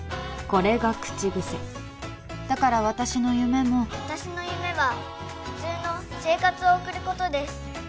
これが口癖だから私の夢も私の夢は普通の生活を送ることです